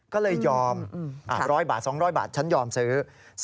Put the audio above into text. ก็เลยยอม๑๐๐บาท๒๐๐บาทฉันยอมซื้อ